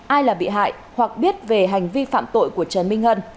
ai là bị hại hoặc biết về hành vi phạm tội của trần minh hân